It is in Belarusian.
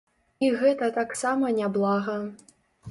І гэта таксама няблага.